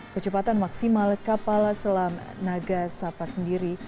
kecepatan maksimal kapal selam nagasapa sendiri